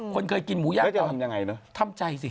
เคยกินหมูย่างทำใจสิ